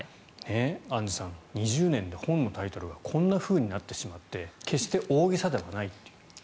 アンジュさん、２０年で本のタイトルがこうなってしまって決して大げさではないという。